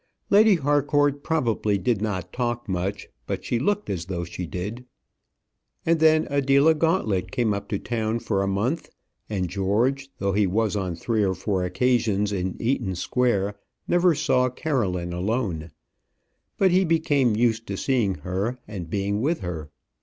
Lady Harcourt probably did not talk much, but she looked as though she did. And then Adela Gauntlet came up to town for a month; and George, though he was on three or four occasions in Eaton Square, never saw Caroline alone; but he became used to seeing her and being with her.